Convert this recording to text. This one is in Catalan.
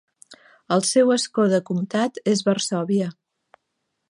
El seu escó de comtat és Varsòvia.